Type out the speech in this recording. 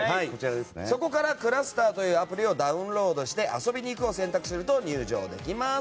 そこからｃｌｕｓｔｅｒというアプリをダウンロードして遊びに行くを選択すると入場できます。